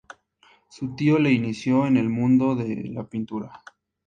Su tío le inició en el mundo de la pintura.